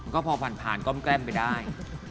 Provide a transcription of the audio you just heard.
ก็พอผ่านก้มแก้มไปได้